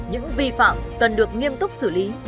những vi phạm cần được nghiêm túc xử lý